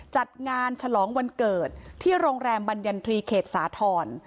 จัดงานฉลองวันเกิดที่โรงแรมบรรยันทรีเขตสาธรณ์